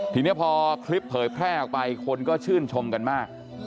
ทีนี้พอคลิปเผยแพร่ออกไปคนก็ชื่นชมกันมาก